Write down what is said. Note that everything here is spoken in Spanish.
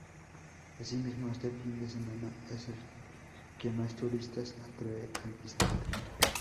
Así mismo este fin de semana es el que más turistas atrae al distrito.